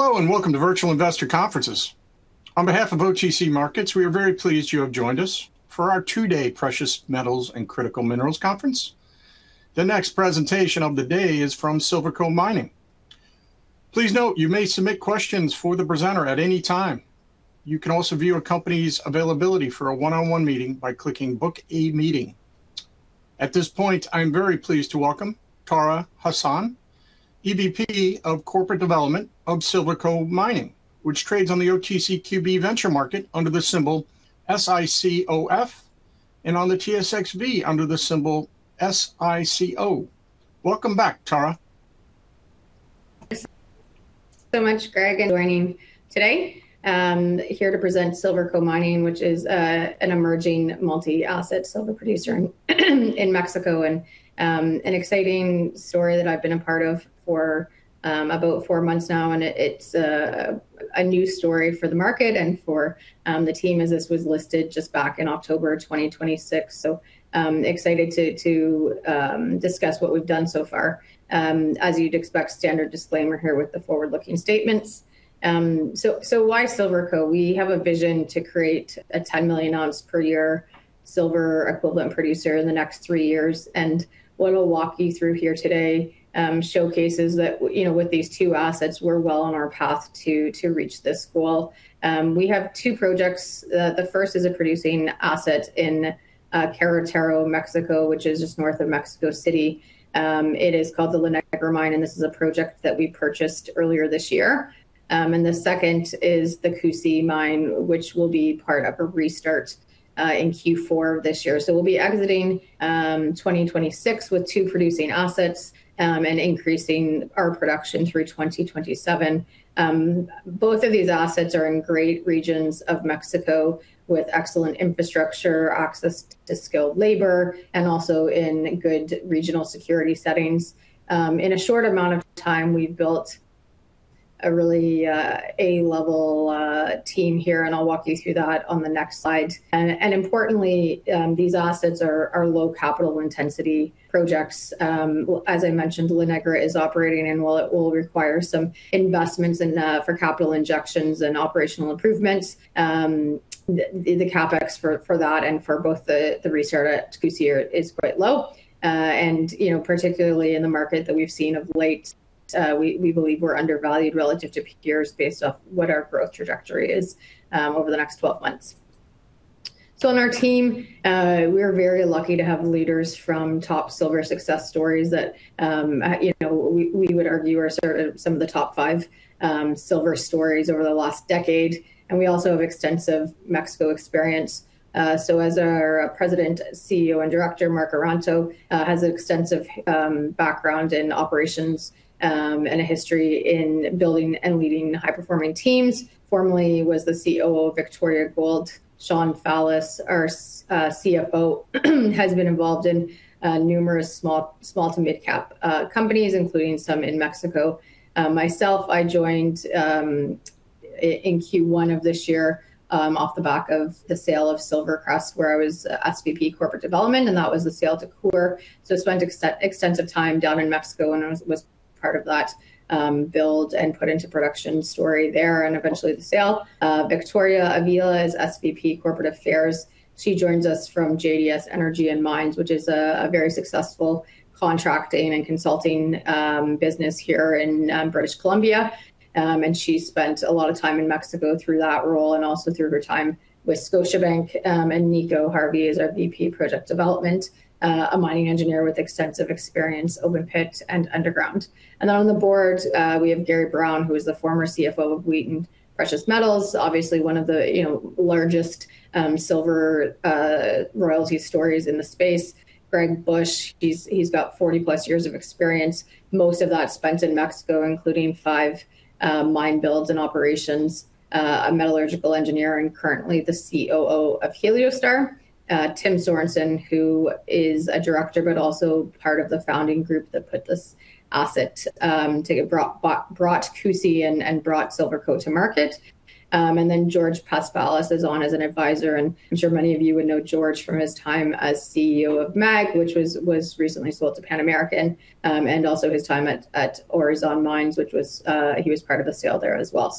Hello, welcome to Virtual Investor Conferences. On behalf of OTC Markets, we are very pleased you have joined us for our two-day Precious Metals and Critical Minerals Conference. The next presentation of the day is from Silverco Mining. Please note, you may submit questions for the presenter at any time. You can also view a company's availability for a one-on-one meeting by clicking Book a Meeting. At this point, I'm very pleased to welcome Tara Hassan, EVP of Corporate Development of Silverco Mining, which trades on the OTCQB Venture Market under the symbol SICOF and on the TSXV under the symbol SICO. Welcome back, Tara. Thanks so much, Greg. Joining today, here to present Silverco Mining, which is an emerging multi-asset silver producer in Mexico and an exciting story that I've been a part of for about four months now. It's a new story for the market and for the team as this was listed just back in October 2026. Excited to discuss what we've done so far. As you'd expect, standard disclaimer here with the forward-looking statements. Why Silverco? We have a vision to create a 10 million ounce per year silver equivalent producer in the next three years. What I'll walk you through here today, showcases that with these two assets, we're well on our path to reach this goal. We have two projects. The first is a producing asset in Querétaro, Mexico, which is just north of Mexico City. It is called the La Negra Mine, this is a project that we purchased earlier this year. The second is the Cusi Mine, which will be part of a restart in Q4 of this year. We'll be exiting 2026 with two producing assets, and increasing our production through 2027. Both of these assets are in great regions of Mexico with excellent infrastructure, access to skilled labor, and also in good regional security settings. In a short amount of time, we've built a really A-level team here, and I'll walk you through that on the next slide. Importantly, these assets are low capital intensity projects. As I mentioned, La Negra is operating, and while it will require some investments and for capital injections and operational improvements, the CapEx for that and for both the restart at Cusi is quite low. Particularly in the market that we've seen of late, we believe we're undervalued relative to peers based off what our growth trajectory is over the next 12 months. On our team, we're very lucky to have leaders from top silver success stories that we would argue are some of the top five silver stories over the last decade. We also have extensive Mexico experience. As our President, CEO, and Director, Mark Ayranto has extensive background in operations, and a history in building and leading high-performing teams. Formerly was the COO of Victoria Gold. Sean Fallis, our CFO has been involved in numerous small to mid-cap companies, including some in Mexico. Myself, I joined in Q1 of this year, off the back of the sale of SilverCrest Metals, where I was SVP Corporate Development, and that was the sale to Coeur. I spent extensive time down in Mexico when I was part of that build and put into production story there, and eventually the sale. Victoria Avila is SVP Corporate Affairs. She joins us from JDS Energy & Mining, which is a very successful contracting and consulting business here in British Columbia. She spent a lot of time in Mexico through that role and also through her time with Scotiabank. Nico Harvey is our VP Project Development, a mining engineer with extensive experience, open pit and underground. On the board, we have Gary Brown, who is the former CFO of Wheaton Precious Metals, obviously one of the largest silver royalty stories in the space. Gregg Bush, he's about 40+ years of experience, most of that spent in Mexico, including five mine builds and operations, a metallurgical engineer, and currently the COO of Heliostar. Tim Sorensen, who is a director but also part of the founding group that brought Cusi and brought Silverco to market. George Paspalis is on as an advisor, and I'm sure many of you would know George from his time as CEO of MAG, which was recently sold to Pan American, and also his time at Aurizon Mines, which he was part of the sale there as well.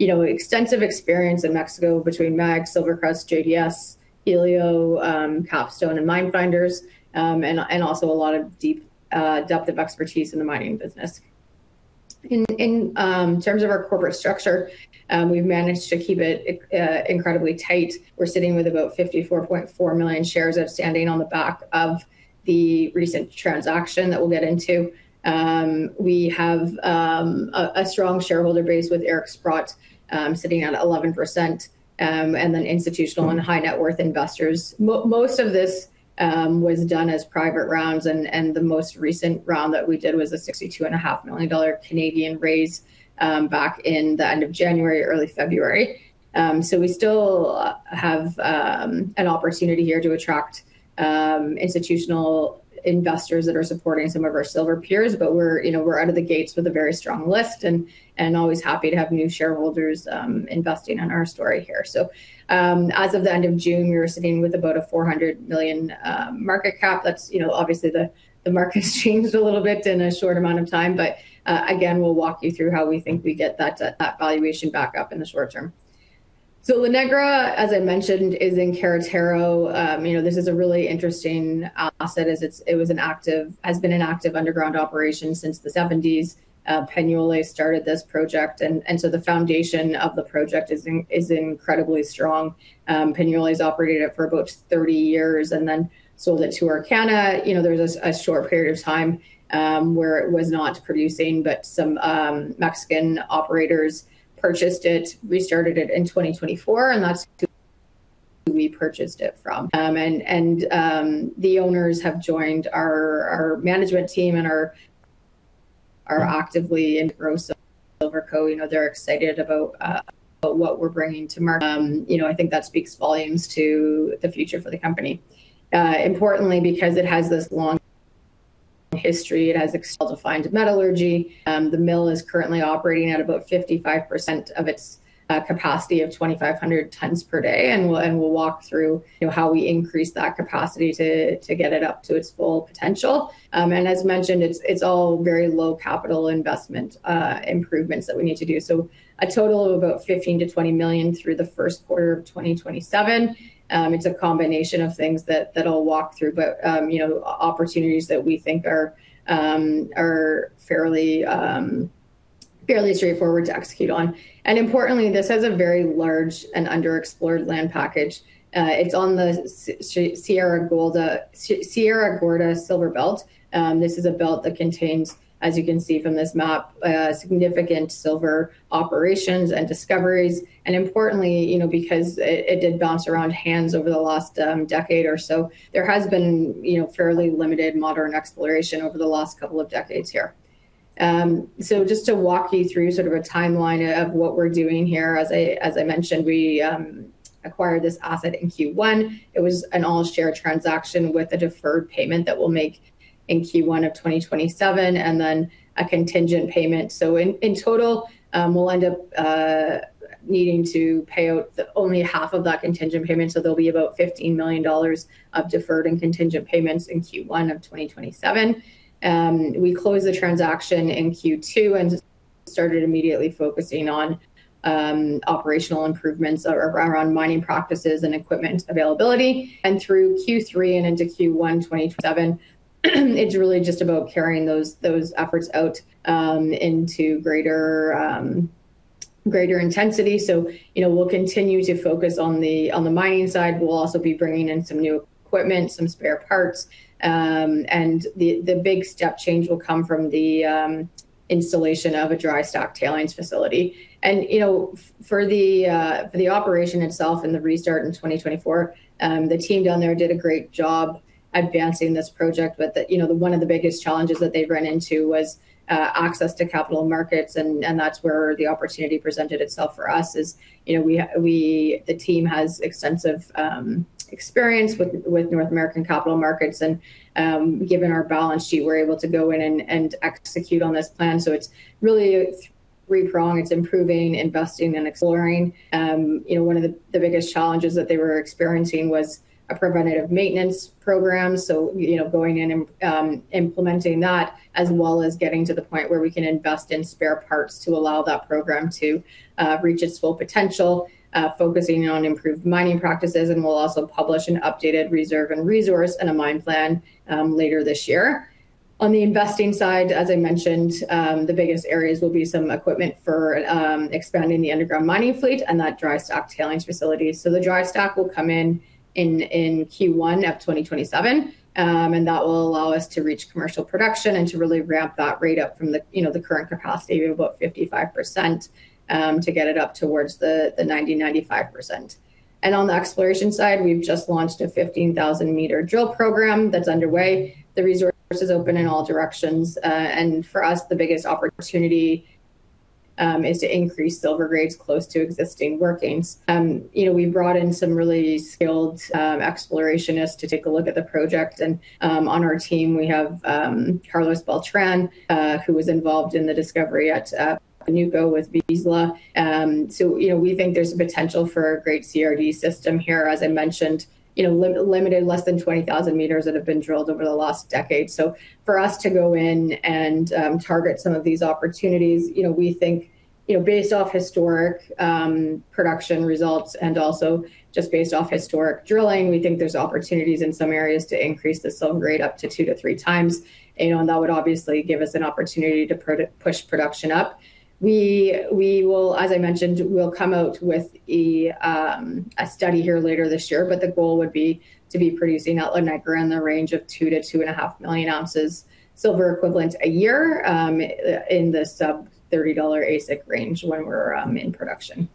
Extensive experience in Mexico between MAG, SilverCrest, JDS, Helio, Capstone, and Minefinders, and also a lot of depth of expertise in the mining business. In terms of our corporate structure, we've managed to keep it incredibly tight. We're sitting with about 54.4 million shares outstanding on the back of the recent transaction that we'll get into. We have a strong shareholder base with Eric Sprott sitting at 11%, and then institutional and high net worth investors. Most of this was done as private rounds, the most recent round that we did was a 62.5 million Canadian dollars raise back in the end of January, early February. We still have an opportunity here to attract institutional investors that are supporting some of our silver peers, but we're out of the gates with a very strong list and always happy to have new shareholders investing in our story here. As of the end of June, we were sitting with about a 400 million market cap. Obviously, the market's changed a little bit in a short amount of time, again, we'll walk you through how we think we get that valuation back up in the short term. La Negra, as I mentioned, is in Querétaro. This is a really interesting asset as it has been an active underground operation since the 1970s. Peñoles started this project, the foundation of the project is incredibly strong. Peñoles has operated it for about 30 years and then sold it to Aurcana. There was a short period of time where it was not producing, some Mexican operators purchased it, restarted it in 2024, that's who we purchased it from. The owners have joined our management team and are actively engrossed Silverco. They're excited about what we're bringing to market. I think that speaks volumes to the future for the company. Importantly, because it has this long history, it has a well-defined metallurgy. The mill is currently operating at about 55% of its capacity of 2,500 tons per day. We'll walk through how we increase that capacity to get it up to its full potential. As mentioned, it's all very low capital investment improvements that we need to do. A total of about 15 million-20 million through the first quarter of 2027. It's a combination of things that I'll walk through, opportunities that we think are fairly straightforward to execute on. Importantly, this has a very large and underexplored land package. It's on the Sierra Gorda silver belt. This is a belt that contains, as you can see from this map, significant silver operations and discoveries. Importantly, because it did bounce around hands over the last decade or so, there has been fairly limited modern exploration over the last couple of decades here. Just to walk you through sort of a timeline of what we're doing here, as I mentioned, we acquired this asset in Q1. It was an all-share transaction with a deferred payment that we'll make in Q1 of 2027, a contingent payment. In total, we'll end up needing to pay out only half of that contingent payment, there'll be about 15 million dollars of deferred and contingent payments in Q1 of 2027. We close the transaction in Q2 and started immediately focusing on operational improvements around mining practices and equipment availability. Through Q3 and into Q1 2027, it's really just about carrying those efforts out into greater intensity. We'll continue to focus on the mining side. We'll also be bringing in some new equipment, some spare parts. The big step change will come from the installation of a dry stack tailings facility. For the operation itself and the restart in 2024, the team down there did a great job advancing this project. One of the biggest challenges that they've run into was access to capital markets, that's where the opportunity presented itself for us is, the team has extensive experience with North American capital markets, given our balance sheet, we're able to go in and execute on this plan. It's really three-pronged. It's improving, investing, and exploring. One of the biggest challenges that they were experiencing was a preventative maintenance program. Going in and implementing that as well as getting to the point where we can invest in spare parts to allow that program to reach its full potential, focusing on improved mining practices. We'll also publish an updated reserve and resource and a mine plan later this year. On the investing side, as I mentioned, the biggest areas will be some equipment for expanding the underground mining fleet and that dry stack tailings facility. The dry stack will come in Q1 of 2027, that will allow us to reach commercial production to really ramp that rate up from the current capacity of about 55%, to get it up towards the 90%, 95%. On the exploration side, we've just launched a 15,000-meter drill program that's underway. The resource is open in all directions. For us, the biggest opportunity is to increase silver grades close to existing workings. We've brought in some really skilled explorationists to take a look at the project. On our team, we have Carlos Beltran, who was involved in the discovery at Panuco with Vizsla. We think there's a potential for a great CRD system here. As I mentioned, limited, less than 20,000 m have been drilled over the last decade. For us to go in and target some of these opportunities, we think based off historic production results and also just based off historic drilling, we think there are opportunities in some areas to increase the silver grade up to two to three times. That would obviously give us an opportunity to push production up. We will, as I mentioned, come out with a study here later this year, but the goal would be to be producing at La Negra in the range of two to 2.5 million ounces silver equivalent a year, in the sub CAD 30 AISC range when we are in production.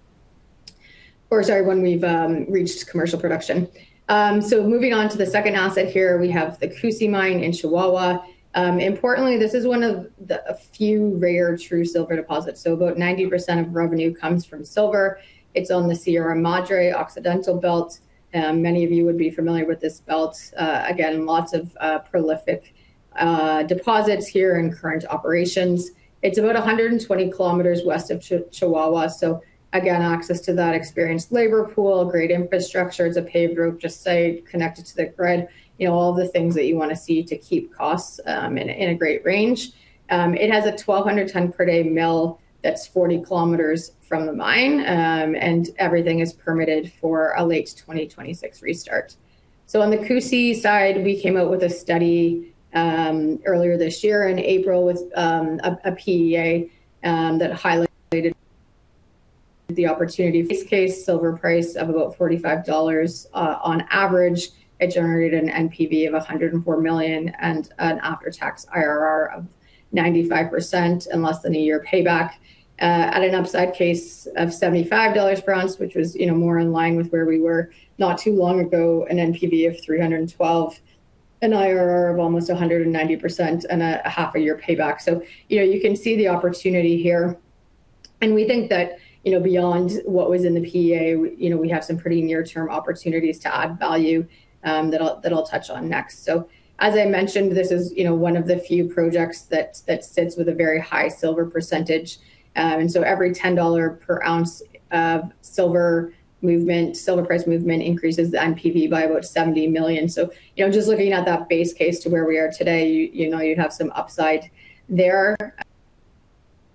Or, sorry, when we have reached commercial production. Moving on to the second asset here, we have the Cusi mine in Chihuahua. Importantly, this is one of the few rare true silver deposits. About 90% of revenue comes from silver. It is on the Sierra Madre Occidental belt. Many of you would be familiar with this belt. Again, lots of prolific deposits here in current operations. It is about 120 km west of Chihuahua, so again, access to that experienced labor pool, great infrastructure. It is a paved road, just so, connected to the grid. All the things that you want to see to keep costs in a great range. It has a 1,200 tons per day mill that is 40 km from the mine. Everything is permitted for a late 2026 restart. On the Cusi side, we came out with a study earlier this year in April with a PEA that highlighted the opportunity base case silver price of about 45 dollars on average, it generated an NPV of 104 million and an after-tax IRR of 95% and less than a year payback at an upside case of 75 dollars per ounce, which was more in line with where we were not too long ago, an NPV of 312 million, an IRR of almost 190%, and a half a year payback. You can see the opportunity here, and we think that, beyond what was in the PEA, we have some pretty near-term opportunities to add value that I will touch on next. As I mentioned, this is one of the few projects that sits with a very high silver percentage. Every 10 dollar per ounce of silver price movement increases the NPV by about 70 million. Just looking at that base case to where we are today, you would have some upside there,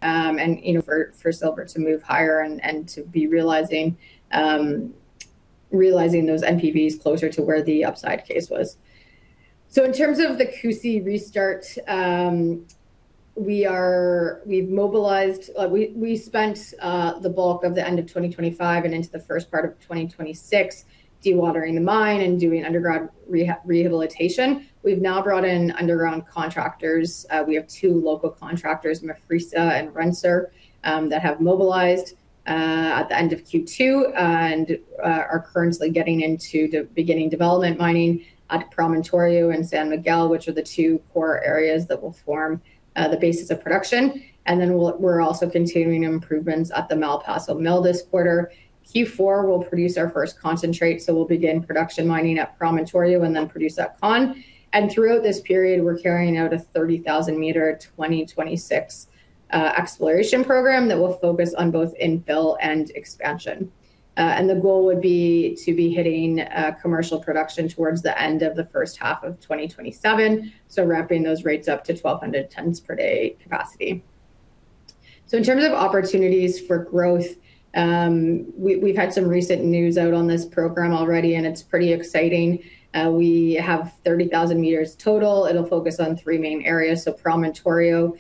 and for silver to move higher and to be realizing those NPVs closer to where the upside case was. In terms of the Cusi restart, we spent the bulk of the end of 2025 and into the first part of 2026 dewatering the mine and doing underground rehabilitation. We have now brought in underground contractors. We have two local contractors, Mafresa and Renser, that have mobilized at the end of Q2 and are currently getting into beginning development mining at Promontorio and San Miguel, which are the two core areas that will form the basis of production. We are also continuing improvements at the Malpaso mill this quarter. Q4 will produce our first concentrate, so we'll begin production mining at Promontorio and then produce that con. Throughout this period, we're carrying out a 30,000-meter 2026 exploration program that will focus on both infill and expansion. The goal would be to be hitting commercial production towards the end of the first half of 2027, so ramping those rates up to 1,200 tons per day capacity. In terms of opportunities for growth, we've had some recent news out on this program already, and it's pretty exciting. We have 30,000 meters total. It'll focus on three main areas, so Promontorio,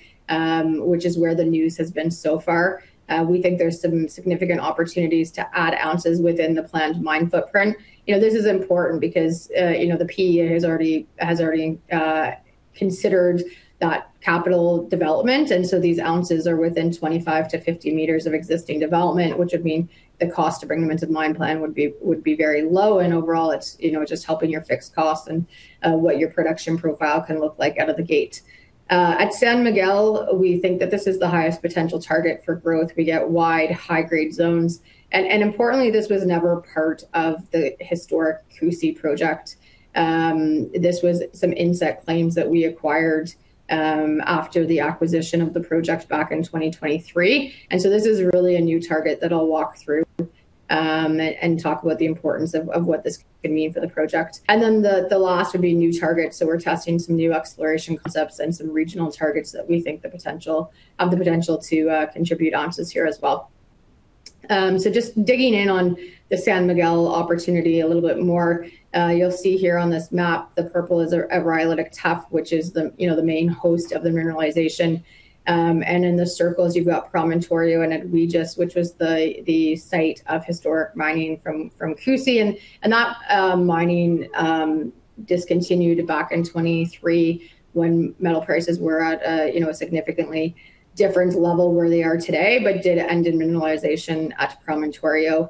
which is where the news has been so far. We think there's some significant opportunities to add ounces within the planned mine footprint. This is important because the PEA has already considered that capital development, and these ounces are within 25 m-50 m of existing development, which would mean the cost to bring them into mine plan would be very low and overall it's just helping your fixed costs and what your production profile can look like out of the gate. At San Miguel, we think that this is the highest potential target for growth. We get wide, high-grade zones. Importantly, this was never part of the historic Cusi project. This was some in-situ claims that we acquired after the acquisition of the project back in 2023. This is really a new target that I'll walk through, and talk about the importance of what this could mean for the project. The last would be new targets. We're testing some new exploration concepts and some regional targets that we think have the potential to contribute ounces here as well. Just digging in on the San Miguel opportunity a little bit more. You'll see here on this map, the purple is a rhyolitic tuff, which is the main host of the mineralization. In the circles, you've got Promontorio and at Huisas, which was the site of historic mining from Cusi and that mining discontinued back in 2023 when metal prices were at a significantly different level where they are today, but did end in mineralization at Promontorio.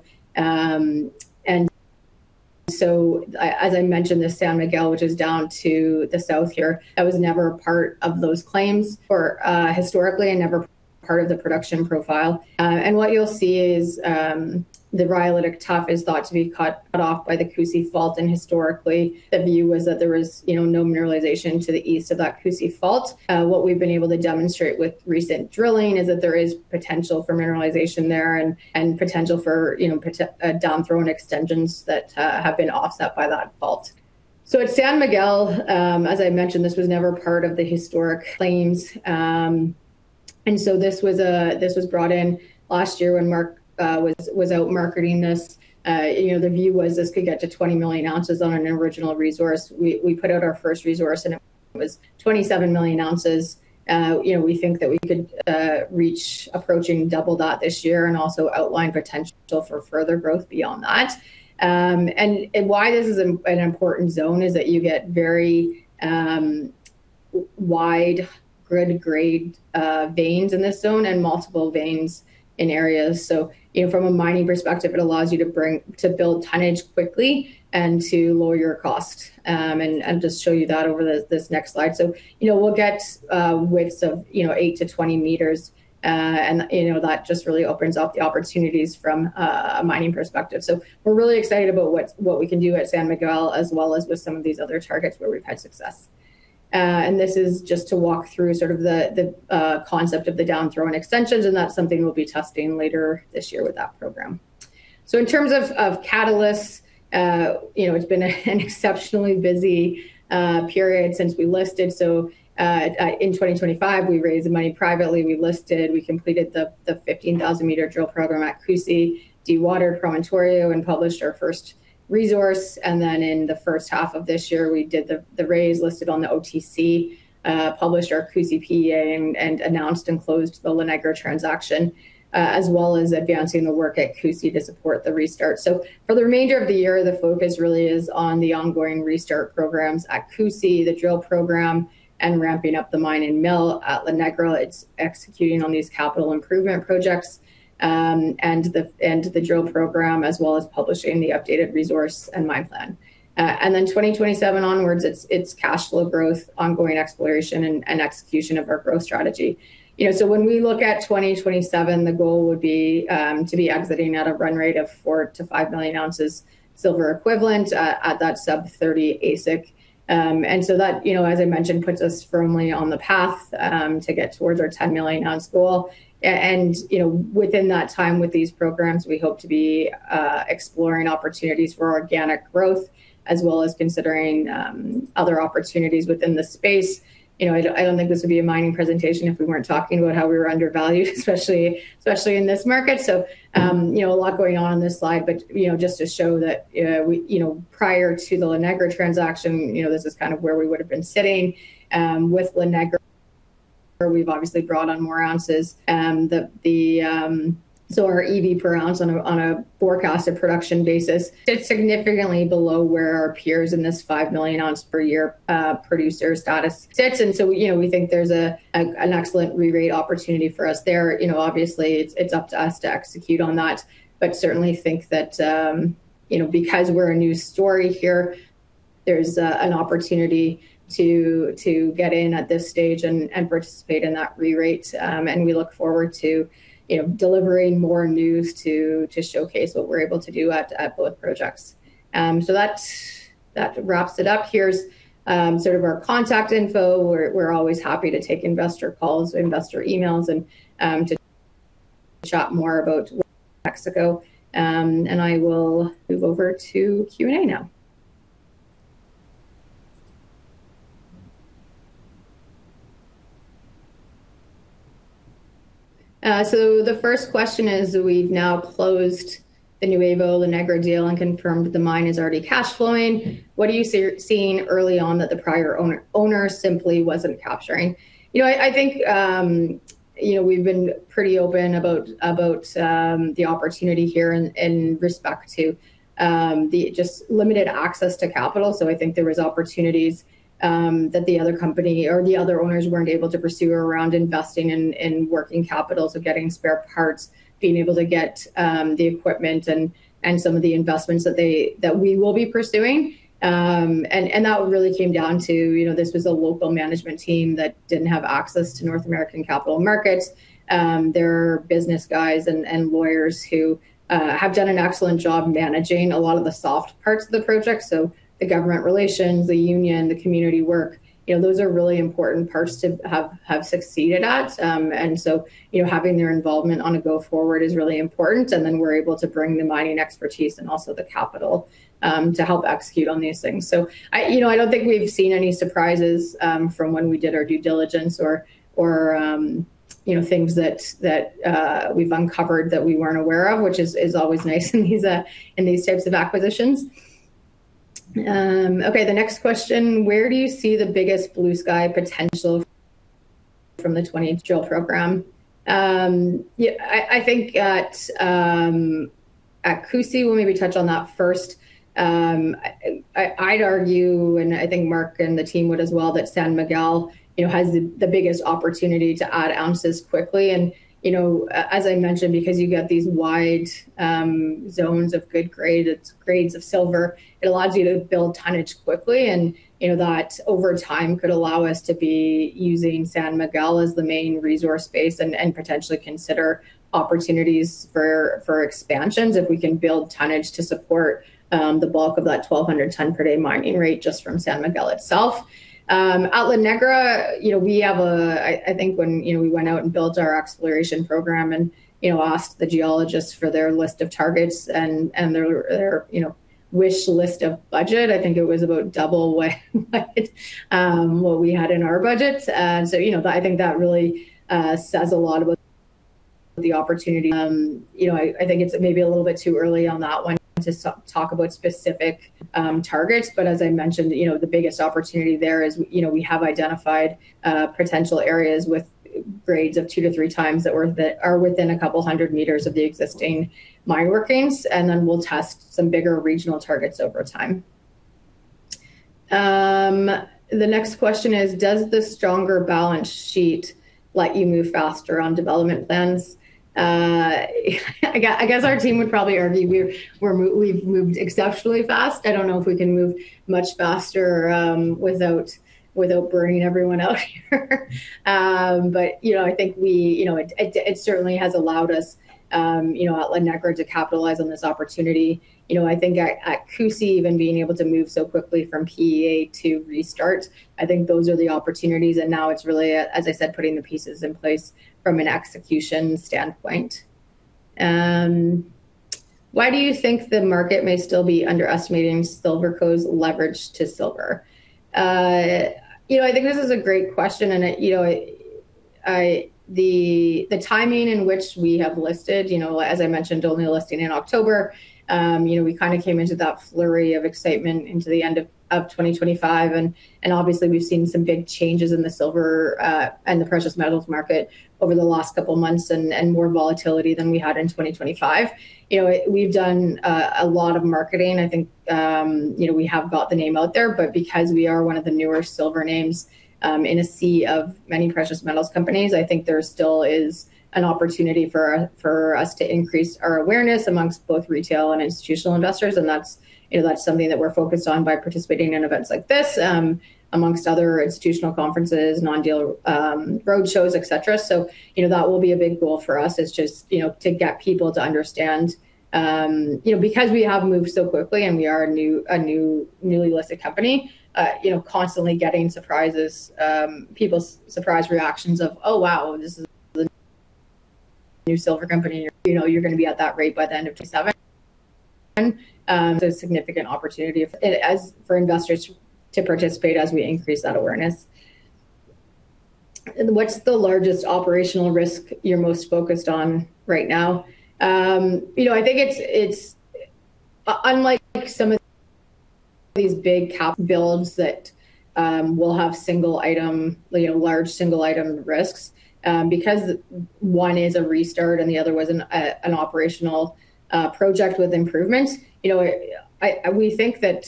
As I mentioned, the San Miguel, which is down to the south here, that was never a part of those claims or historically, and never part of the production profile. What you'll see is the rhyolitic tuff is thought to be cut off by the Cusi fault and historically, the view was that there was no mineralization to the east of that Cusi fault. What we've been able to demonstrate with recent drilling is that there is potential for mineralization there and potential for downthrown extensions that have been offset by that fault. At San Miguel, as I mentioned, this was never part of the historic claims. This was brought in last year when Mark was out marketing this. The view was this could get to 20 million ounces on an original resource. We put out our first resource, and it was 27 million ounces. We think that we could reach approaching double that this year and also outline potential for further growth beyond that. Why this is an important zone is that you get very wide, good grade veins in this zone and multiple veins in areas. From a mining perspective, it allows you to build tonnage quickly and to lower your costs. I'll just show you that over this next slide. We'll get widths of 8 m-20 m, and that just really opens up the opportunities from a mining perspective. We're really excited about what we can do at San Miguel, as well as with some of these other targets where we've had success. This is just to walk through sort of the concept of the down-throw and extensions, and that's something we'll be testing later this year with that program. In terms of catalysts, it's been an exceptionally busy period since we listed. In 2025, we raised the money privately, we listed, we completed the 15,000-meter drill program at Cusi, dewatered Promontorio, and published our first resource. In the first half of this year, we did the raise, listed on the OTC, published our Cusi PEA and announced and closed the La Negra transaction, as well as advancing the work at Cusi to support the restart. For the remainder of the year, the focus really is on the ongoing restart programs at Cusi, the drill program, and ramping up the mine and mill. At La Negra, it's executing on these capital improvement projects, and the drill program, as well as publishing the updated resource and mine plan. 2027 onwards, it's cash flow growth, ongoing exploration, and execution of our growth strategy. When we look at 2027, the goal would be to be exiting at a run rate of 4 million ounces-5 million ounces silver equivalent at that sub 30 AISC. That, as I mentioned, puts us firmly on the path to get towards our 10 million-ounce goal. Within that time with these programs, we hope to be exploring opportunities for organic growth as well as considering other opportunities within the space. I don't think this would be a mining presentation if we weren't talking about how we were undervalued, especially in this market. A lot going on in this slide. Just to show that prior to the La Negra transaction, this is kind of where we would've been sitting. With La Negra, we've obviously brought on more ounces. Our EV per ounce on a forecasted production basis sits significantly below where our peers in this 5 million-ounce per year producer status sits. We think there's an excellent re-rate opportunity for us there. Obviously, it's up to us to execute on that. Certainly think that, because we're a new story here, there's an opportunity to get in at this stage and participate in that re-rate. We look forward to delivering more news to showcase what we're able to do at both projects. That wraps it up. Here's sort of our contact info. We're always happy to take investor calls or investor emails and to chat more about Mexico. I will move over to Q&A now. The first question is, we've now closed the Nuevo La Negra deal and confirmed the mine is already cash flowing. What are you seeing early on that the prior owner simply wasn't capturing? I think we've been pretty open about the opportunity here in respect to the just limited access to capital. I think there was opportunities that the other company or the other owners weren't able to pursue around investing in working capital, so getting spare parts, being able to get the equipment and some of the investments that we will be pursuing. That really came down to, this was a local management team that didn't have access to North American capital markets. They're business guys and lawyers who have done an excellent job managing a lot of the soft parts of the project. The government relations, the union, the community work, those are really important parts to have succeeded at. Having their involvement on a go forward is really important. We're able to bring the mining expertise and also the capital, to help execute on these things. I don't think we've seen any surprises from when we did our due diligence or things that we've uncovered that we weren't aware of, which is always nice in these types of acquisitions. Okay, the next question, where do you see the biggest blue-sky potential from the 2026 drill program? I think at Cusi, we'll maybe touch on that first. I'd argue, and I think Mark and the team would as well, that San Miguel has the biggest opportunity to add ounces quickly. As I mentioned, because you got these wide zones of good grades of silver, it allows you to build tonnage quickly. That over time could allow us to be using San Miguel as the main resource base and potentially consider opportunities for expansions if we can build tonnage to support the bulk of that 1,200 tonne per day mining rate just from San Miguel itself. At La Negra, I think when we went out and built our exploration program and asked the geologists for their list of targets and their wish list of budget, I think it was about double what we had in our budget. I think that really says a lot about the opportunity. I think it's maybe a little bit too early on that one to talk about specific targets, as I mentioned, the biggest opportunity there is we have identified potential areas with grades of two to three times that are within a couple hundred meters of the existing mine workings, we'll test some bigger regional targets over time. The next question is, does the stronger balance sheet let you move faster on development plans? I guess our team would probably argue we've moved exceptionally fast. I don't know if we can move much faster without burning everyone out here. I think it certainly has allowed us at La Negra to capitalize on this opportunity. I think at Cusi, even being able to move so quickly from PEA to restart, I think those are the opportunities. Now it's really, as I said, putting the pieces in place from an execution standpoint. Why do you think the market may still be underestimating Silverco's leverage to silver? I think this is a great question. The timing in which we have listed, as I mentioned, only listing in October, we came into that flurry of excitement into the end of 2025. Obviously, we've seen some big changes in the silver and the precious metals market over the last couple of months and more volatility than we had in 2025. We've done a lot of marketing. I think we have got the name out there, because we are one of the newer silver names in a sea of many precious metals companies, I think there still is an opportunity for us to increase our awareness amongst both retail and institutional investors. That's something that we're focused on by participating in events like this, amongst other institutional conferences, non-deal roadshows, et cetera. That will be a big goal for us, is just to get people to understand. Because we have moved so quickly and we are a newly listed company, constantly getting surprises, people's surprise reactions of, "Oh, wow, this is a new silver company. You're going to be at that rate by the end of 2027." There's significant opportunity for investors to participate as we increase that awareness. What's the largest operational risk you're most focused on right now? I think it's unlike some of these big CapEx builds that will have large single-item risks because one is a restart and the other was an operational project with improvements. We think that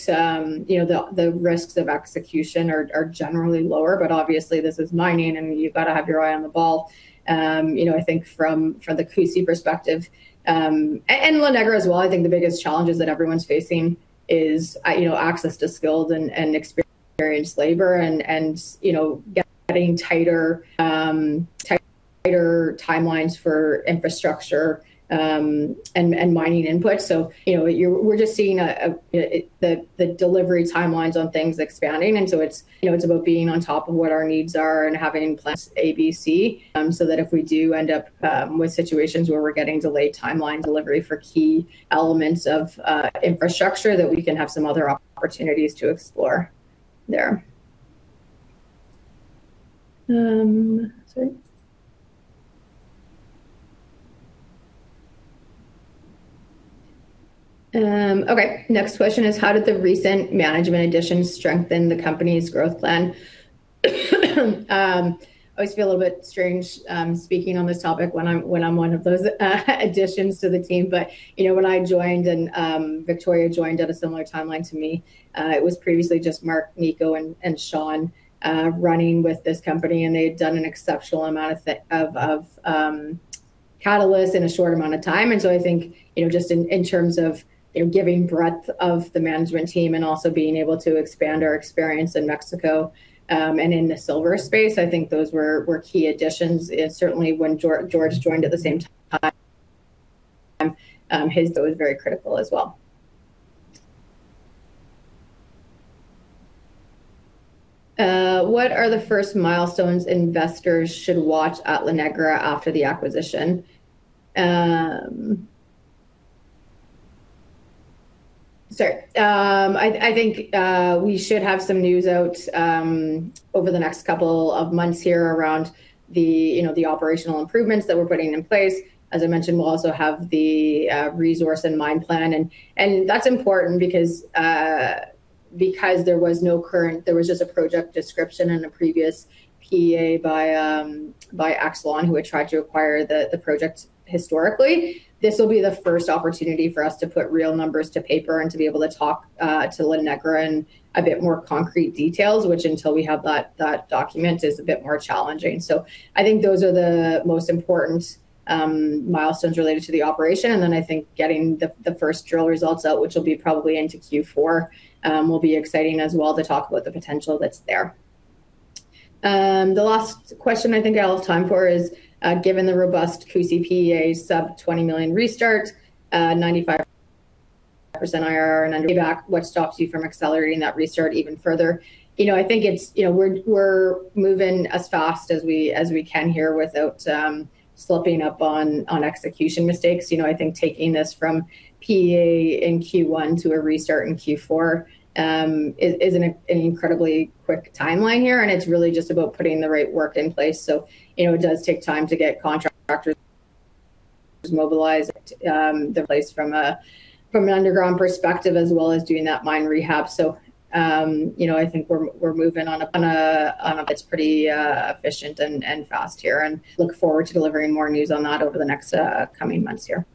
the risks of execution are generally lower, but obviously, this is mining, and you've got to have your eye on the ball. I think from the Cusi perspective, and La Negra as well, I think the biggest challenges that everyone's facing is access to skilled and experienced labor and getting tighter timelines for infrastructure and mining input. We're just seeing the delivery timelines on things expanding, so it's about being on top of what our needs are and having plans A, B, C, so that if we do end up with situations where we're getting delayed timeline delivery for key elements of infrastructure, that we can have some other opportunities to explore there. Sorry. Okay. Next question is, how did the recent management additions strengthen the company's growth plan? I always feel a little bit strange speaking on this topic when I'm one of those additions to the team. When I joined, Victoria joined at a similar timeline to me, it was previously just Mark, Nico, and Sean running with this company, and they'd done an exceptional amount of catalyst in a short amount of time. I think just in terms of giving breadth of the management team and also being able to expand our experience in Mexico, and in the silver space, I think those were key additions. Certainly when George joined at the same time, his thought was very critical as well. What are the first milestones investors should watch at La Negra after the acquisition? Sorry. I think we should have some news out over the next couple of months here around the operational improvements that we're putting in place. As I mentioned, we'll also have the resource and mine plan. That's important because there was just a project description in a previous PEA by [Axlon, who had tried to acquire the project historically. This will be the first opportunity for us to put real numbers to paper and to be able to talk to La Negra in a bit more concrete details, which until we have that document is a bit more challenging. I think those are the most important milestones related to the operation. Then I think getting the first drill results out, which will be probably into Q4, will be exciting as well to talk about the potential that's there. The last question I think I'll have time for is, given the robust Cusi PEA sub-CAD 20 million restart, 95% IRR and under back, what stops you from accelerating that restart even further? I think we're moving as fast as we can here without slipping up on execution mistakes. I think taking this from PEA in Q1 to a restart in Q4 is an incredibly quick timeline here, and it's really just about putting the right work in place. It does take time to get contractors mobilized into place from an underground perspective, as well as doing that mine rehab. I think we're moving on. It's pretty efficient and fast here, and look forward to delivering more news on that over the next coming months here.